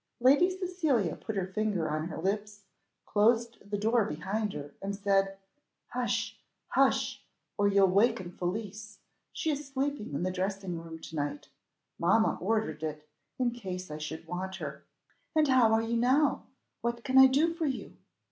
Lady Cecilia put her finger on her lips, closed the door behind her, and said, "Hush! hush! or you'll waken Felicie; she is sleeping in the dressing room to night. Mamma ordered it, in case I should want her." "And how are you now? What can I do for you?"